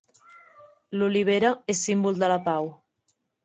L'olivera és símbol de la pau.